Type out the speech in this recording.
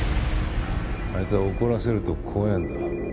あいつは怒らせると怖えんだ。